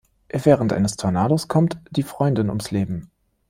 Während eines Tornados kommt die Freundin ums Leben.